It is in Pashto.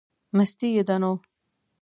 مستي یې ده نو.